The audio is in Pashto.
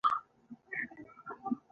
دوۍ په داخل او خارج کې چکرونه وهي.